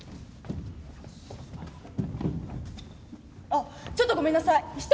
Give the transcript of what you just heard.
あっちょっとごめんなさい。